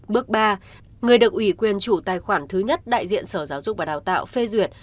bước ba người được ủy quyền chủ tài khoản thứ nhất đại diện sở giáo dục và đào tạo phê duyệt